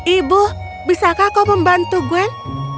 ibu bisakah kau membantu gwen